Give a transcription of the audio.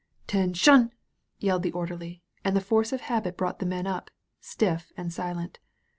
"'Ten^Aiin/" yelled the Orderly, and the force of habit brought the men up, stiff and silent.